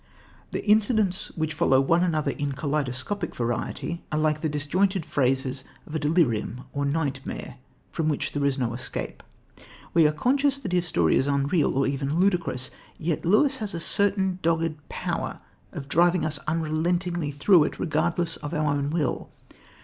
The incidents, which follow one another in kaleidoscopic variety, are like the disjointed phases of a delirium or nightmare, from which there is no escape. We are conscious that his story is unreal or even ludicrous, yet Lewis has a certain dogged power of driving us unrelentingly through it, regardless of our own will.